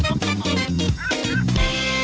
อยู่ตรงนี้เสร็จไหม